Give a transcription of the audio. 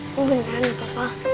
emang beneran gak apa apa